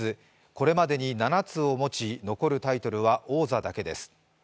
これまでに７つを持ち、残るタイトルは王座だけです。